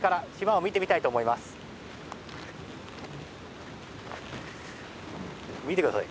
見てください。